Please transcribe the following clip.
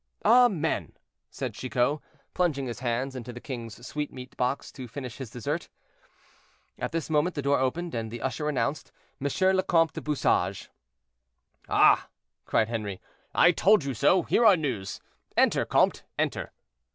"Amen!" said Chicot, plunging his hands into the king's sweetmeat box to finish his desert. At this moment the door opened, and the usher announced "M. le Comte du Bouchage." "Ah!" cried Henri, "I told you so; here are news. Enter, comte, enter."